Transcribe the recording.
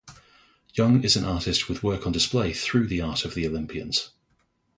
Young is an artist with work on display through the Art of the Olympians.